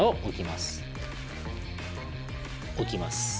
置きます。